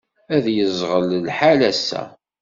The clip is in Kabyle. Ay yeẓɣel lḥal ass-a!